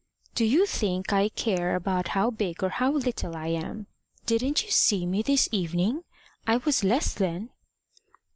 "Do you think I care about how big or how little I am? Didn't you see me this evening? I was less then."